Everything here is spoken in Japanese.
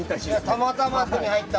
たまたま手に入った。